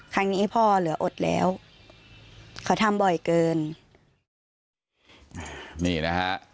ครั้งนี้พ่อเหลืออดแล้วเขาทำบ่อยเกินนี่นะฮะ